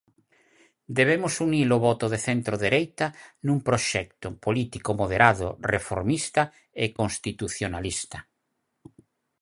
Debemos unir o voto de centro dereita nun proxecto político moderado, reformista e constitucionalista.